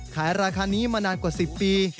ขายราคานี้มานานกว่า๑๐ปี